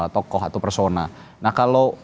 tokoh atau personal nah kalau